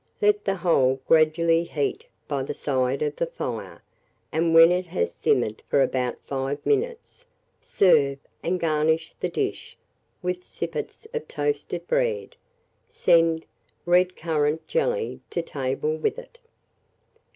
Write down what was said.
Let the whole gradually heat by the side of the fire, and, when it has simmered for about 5 minutes, serve, and garnish the dish with sippets of toasted bread. Send red currant jelly to table with it.